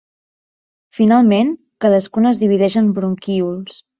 Finalment, cadascun es divideix en bronquíols.